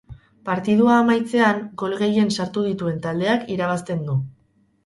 Partidua amaitzean, gol gehien sartu dituen taldeak irabazten du.